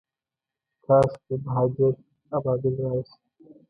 کاشکي، مهاجر ابابیل راشي